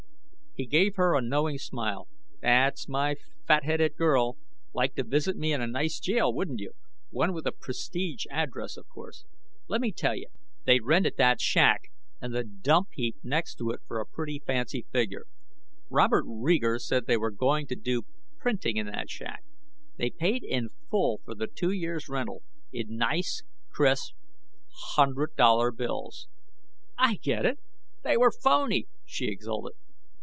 He gave her a knowing smile. "That's my fat headed girl. Like to visit me in a nice jail, wouldn't you? One with a prestige address, of course. Let me tell you. They rented that shack, and the dump heap next to it for a pretty fancy figure. Robert Reeger said they were going to do printing in that shack. They paid in full for the two years rental, in nice crisp hundred dollar bills...." "I get it! They were phony," she exulted.